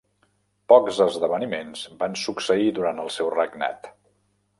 Pocs esdeveniments van succeir durant el seu regnat.